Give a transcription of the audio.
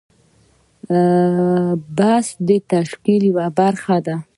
بست د تشکیل یوه برخه ده.